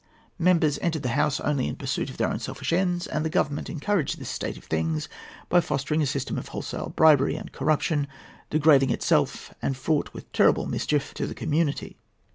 Members entered the House only in pursuit of their own selfish ends, and the Government encouraged this state of things by fostering a system of wholesale bribery and corruption, degrading in itself and fraught with terrible mischief to the community.